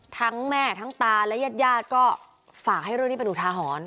ทั้งแม่ทั้งตาและญาติญาติก็ฝากให้เรื่องนี้เป็นอุทาหรณ์